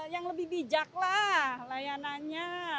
yang lebih bijak lah layanannya